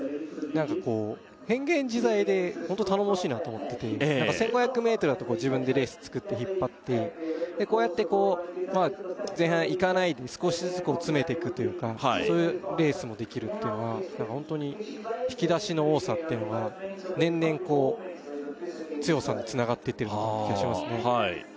何かこう変幻自在でホント頼もしいなと思ってて１５００ｍだと自分でレースつくって引っ張ってでこうやってこうまあ前半いかないで少しずつ詰めてくというかそういうレースもできるっていうのは何かホントに引き出しの多さっていうのが年々こう強さにつながってってる気がしますね